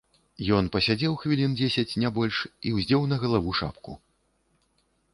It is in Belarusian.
Ён пасядзеў хвілін дзесяць, не больш, і ўздзеў на галаву шапку.